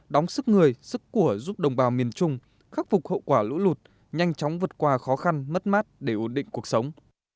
đóng sức người sức của giúp đồng bào miền trung khắc phục hậu quả lũ lụt nhanh chóng vượt qua khó khăn mất mát để ổn định cuộc sống